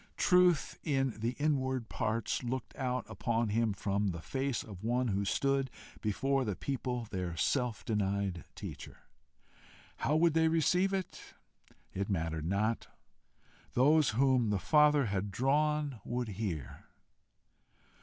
Truth in the inward parts looked out upon him from the face of one who stood before the people their self denied teacher! How would they receive it? It mattered not. Those whom the Father had drawn, would hear.